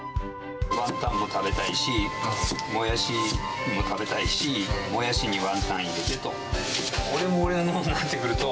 ワンタンも食べたいし、モヤシも食べたいし、モヤシにワンタン入れてと。